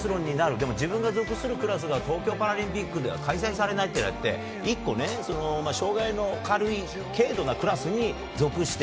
でも自分が属するクラスが東京パラリンピックでは開催されないとなって１個、障害の軽い軽度のクラスに属して。